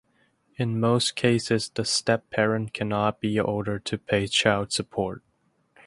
In most cases, the stepparent can not be ordered to pay child support.